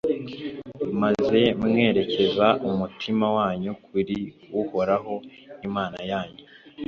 maze mwerekeze umutima wanyu kuri uhoraho, imana yanyu